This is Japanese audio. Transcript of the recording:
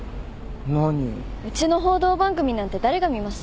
うちの報道番組なんて誰が見ます？